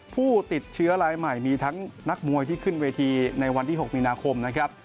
ผู้ติดเชื้อรายใหม่มีทั้งนักมวยที่ขึ้นเวทีในวันที่๖มีนาคมนะครับ